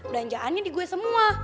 udanjaannya di gue semua